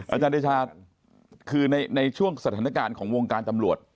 อาจารย์เดชาคือในช่วงสถานการณ์ของวงการตำรวจ